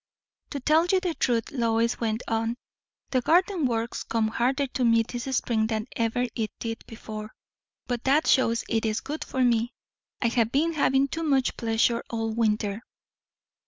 "To tell the truth," Lois went on, "the garden work comes harder to me this spring than ever it did before; but that shows it is good for me. I have been having too much pleasure all winter."